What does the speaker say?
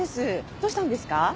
どうしたんですか？